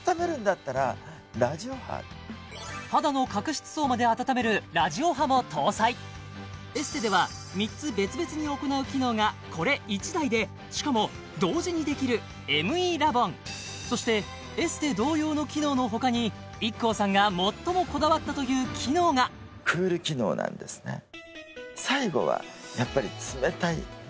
肌の角質層まで温めるラジオ波も搭載エステでは３つ別々に行う機能がこれ１台でしかも同時にできるＭＥラボンそしてエステ同様の機能のほかにＩＫＫＯさんが最もこだわったという機能が当てちゃうえっ？